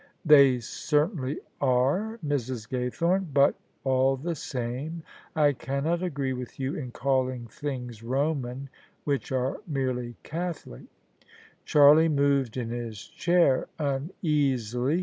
'* They certainly are, Mrs. Gaythome. But, all the same, I cannot agree with you in calling things Roman which are merely Catholic" Charlie moved in his chair uneasily.